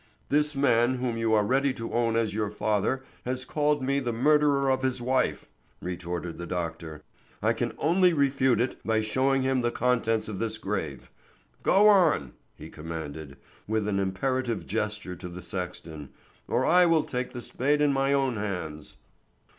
"This man whom you are ready to own as your father has called me the murderer of his wife," retorted the doctor. "I can only refute it by showing him the contents of this grave. Go on!" he commanded, with an imperative gesture to the sexton, "or I will take the spade in my own hands."